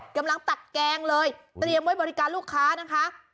ตักแกงเลยเตรียมไว้บริการลูกค้านะคะ